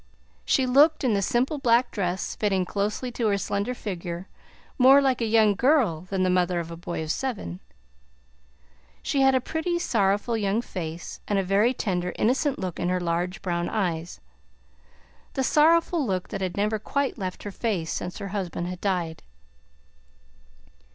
She looked, in the simple black dress, fitting closely to her slender figure, more like a young girl than the mother of a boy of seven. She had a pretty, sorrowful, young face, and a very tender, innocent look in her large brown eyes, the sorrowful look that had never quite left her face since her husband had died.